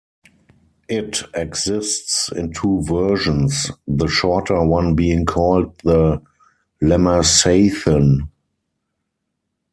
It exists in two versions, the shorter one being called the "Lammasathen".